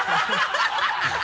ハハハ